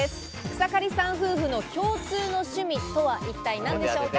草刈さん夫婦の共通の趣味とは、一体何でしょうか。